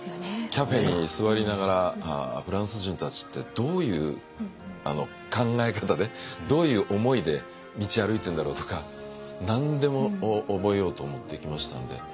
カフェに座りながら「フランス人たちってどういう考え方でどういう思いで道歩いてんだろう」とか何でも覚えようと思って行きましたんで。